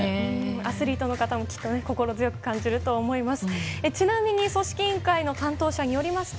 アスリートの方もきっと心強く感じると思います。